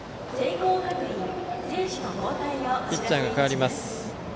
ピッチャーが代わります。